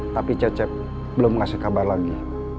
tapi cecep belum ngasih kabar lagi